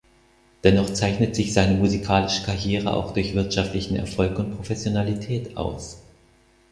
Dennoch zeichnet sich seine musikalische Karriere auch durch wirtschaftlichen Erfolg und Professionalität aus.